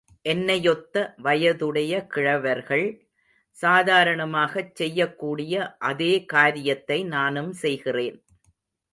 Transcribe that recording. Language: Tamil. என்னை யொத்த வயதுடைய கிழவர்கள், சாதாரணமாகச் செய்யக் கூடிய அதே காரியத்தை நானும் செய்கிறேன்.